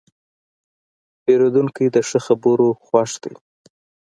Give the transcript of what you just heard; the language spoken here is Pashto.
پیرودونکی د ښه خبرو خوښ دی.